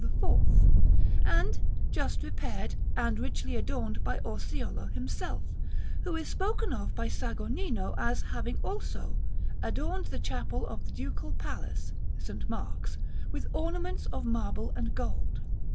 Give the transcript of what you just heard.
and just repaired, and richly adorned by Orseolo himself, who is spoken of by Sagornino as having also "adorned the chapel of the Ducal Palace" (St. Mark's) with ornaments of marble and gold.